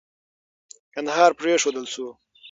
کندهار پرېښودل سو.